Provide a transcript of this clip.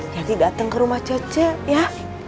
datang ke rumah cece ya